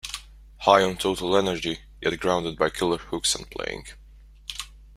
High on total energy yet grounded by killer hooks and playing.